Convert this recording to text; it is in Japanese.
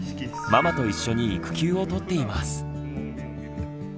ママと一緒に育休を取っています。